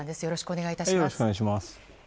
よろしくお願いします。